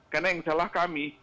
karena yang salah kami